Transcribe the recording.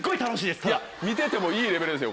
見ててもいいレベルですよ